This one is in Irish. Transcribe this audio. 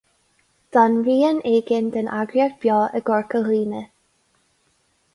D'fhan rian éigin den eagraíocht beo i gCorca Dhuibhne.